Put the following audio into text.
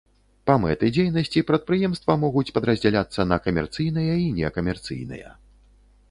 Па мэты дзейнасці прадпрыемства могуць падраздзяляцца на камерцыйныя і некамерцыйныя.